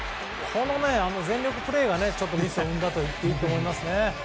この全力プレーがミスを生んだといっていいと思います。